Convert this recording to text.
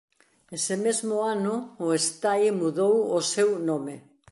Ese mesmo ano o Estai mudou o seu nome.